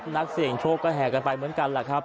นักเสี่ยงโชคก็แห่กันไปเหมือนกัน